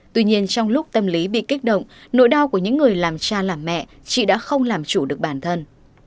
tuy nhiên trong lúc tâm lý bị kích động nỗi đau của những người làm cha làm mẹ chị đã không làm chủ được bản thân